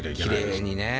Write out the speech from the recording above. きれいにね。